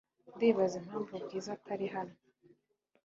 Ndibaza impamvu Bwiza atari hano .